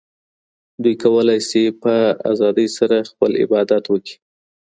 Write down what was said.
دوی کولای سي په آزادي سره خپل عبادت وکړي.